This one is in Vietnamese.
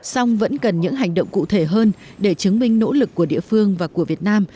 song vẫn cần những hành động cụ thể hơn để chứng minh nỗ lực của địa phương và của việt nam